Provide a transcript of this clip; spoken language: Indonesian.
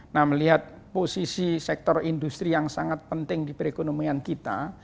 nah melihat posisi sektor industri yang sangat penting di perekonomian kita